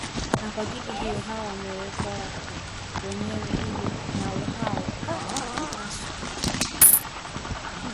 Na kwa ajili yao najiweka wakfu mwenyewe ili na hao watakaswe katika kweli